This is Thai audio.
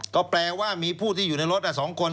ก็แปลว่ามีผู้ที่อยู่ในรถ๒คน